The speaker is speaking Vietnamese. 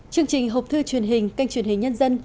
chương trình hộp thư truyền hình kênh truyền hình nhân dân